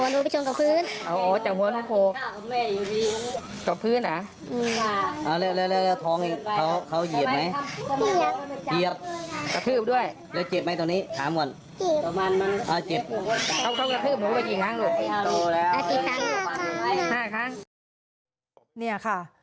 น้องร้องไห้สะอึกสะอึกด้วยรอยฟลกช้ำแล้วก็อาเจียนด้วย